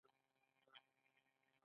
د ژمي روخصت پېل شو